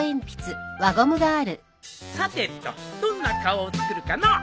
さてとどんな顔を作るかのう！